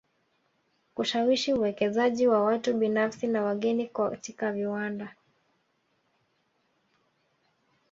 Kushawishi uwekezaji wa watu binafsi na wageni katika viwanda